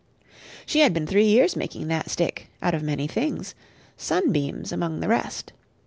She had been three years making that stick, out of many things, sunbeams among the rest.